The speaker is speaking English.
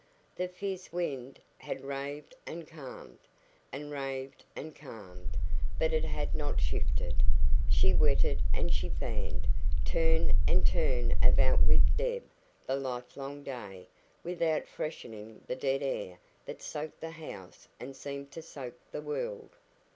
The fierce wind had raved and calmed, and raved and calmed, but it had not shifted. She wetted and she fanned, turn and turn about with Deb, the livelong day, without freshening the dead air that soaked the house and seemed to soak the world.